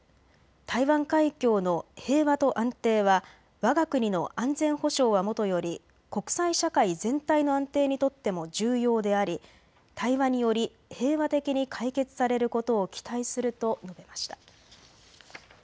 台湾海峡の平和と安定はわが国の安全保障はもとより国際社会全体の安定にとっても重要であり対話により平和的に解決されることを期待すると述べました。